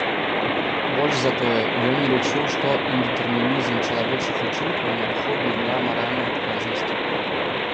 Больш за тое, ён не лічыў, што індэтэрмінізм чалавечых учынкаў неабходны для маральнай адказнасці.